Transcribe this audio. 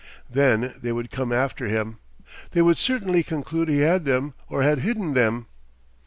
Then they would come after him. They would certainly conclude he had them or had hidden them.